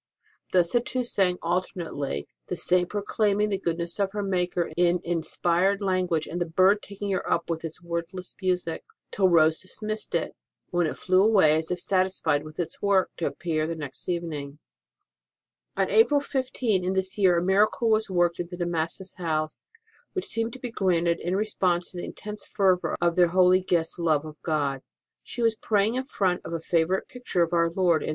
Thus the two sang alternately the Saint proclaiming the goodness of her Maker in inspired language and the bird taking her up with its wordless music, till Rose dismissed it, when it flew away as if satisfied with its work, to appear the next evening. On April 15 in this year a miracle was worked in the De Massas house, which seemed to be granted in response tc the intense fervour of their holy guest s love of God. She was praying in front of a favourite picture of Our Lord in their 172 ST.